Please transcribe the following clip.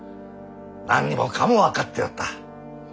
何もかも分かっておった。